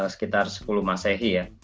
sekitar sepuluh masehi ya